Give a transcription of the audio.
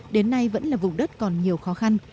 đến nay vẫn là vùng đất còn nhiều khó khăn